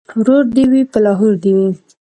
ـ ورور دې وي په لاهور دې وي.